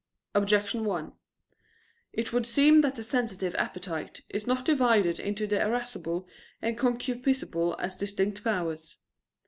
Objection 1: It would seem that the sensitive appetite is not divided into the irascible and concupiscible as distinct powers.